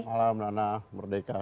selamat malam nana merdeka